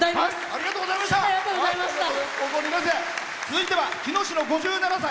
続いては日野市の５７歳。